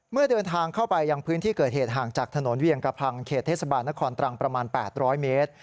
เมื่อเดินทางเข้าไปยังพื้นที่เกิดเหตุห่างจากถนนเวียงกระพังเขตเทศบาลนครตรังประมาณ๘๐๐เมตร